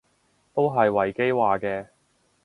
都係維基話嘅